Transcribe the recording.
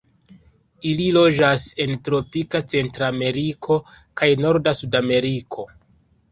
Ili loĝas en tropika Centrameriko kaj norda Sudameriko.